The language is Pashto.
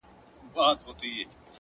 د ژوند رنګونه له لیدلوري بدلېږي,